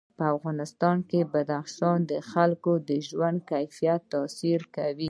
په افغانستان کې بدخشان د خلکو د ژوند په کیفیت تاثیر کوي.